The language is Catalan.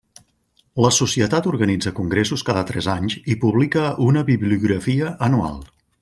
La societat organitza congressos cada tres anys i publica una bibliografia anual.